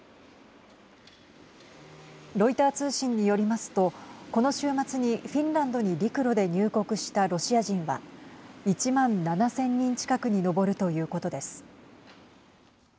ロイター通信によりますとこの週末にフィンランドに陸路で入国したロシア人は１万７０００人近くに上るということです。